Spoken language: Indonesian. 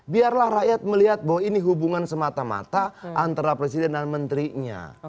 biarlah rakyat melihat bahwa ini hubungan semata mata antara presiden dan menterinya